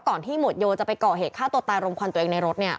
ก่อนที่หมวดโยจะไปเกาะเหตุค่าตัวตายรมควรตัวเองในรถเนี่ย